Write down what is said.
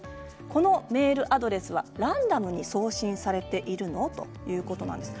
このメールアドレスはランダムに送信されているのかということなんです。